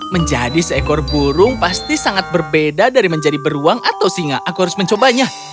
menjadi seekor burung pasti sangat berbeda dari menjadi beruang atau singa aku harus mencobanya